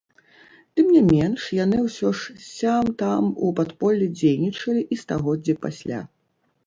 Тым не менш яны ўсё ж сям-там у падполлі дзейнічалі і стагоддзі пасля.